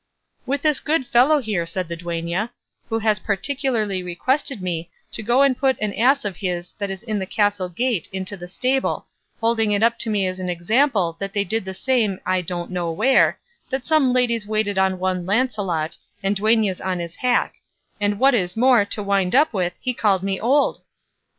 "With this good fellow here," said the duenna, "who has particularly requested me to go and put an ass of his that is at the castle gate into the stable, holding it up to me as an example that they did the same I don't know where that some ladies waited on one Lancelot, and duennas on his hack; and what is more, to wind up with, he called me old."